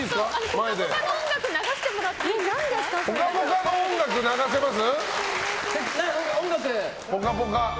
「ぽかぽか」の音楽流せます。